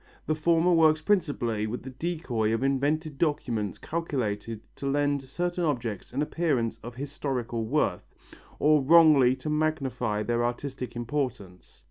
The former works principally with the decoy of invented documents calculated to lend certain objects an appearance of historical worth, or wrongly to magnify their artistic importance.